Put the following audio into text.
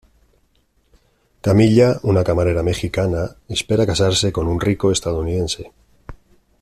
Camilla, una camarera mexicana, espera casarse con un rico estadounidense.